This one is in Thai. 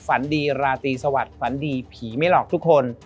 ฝันดีราตรีสวัสดิ์ฝันดีผีไม่หลอกทุกคน